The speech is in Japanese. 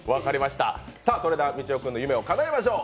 それでは、みちお君の夢をかなえましょう。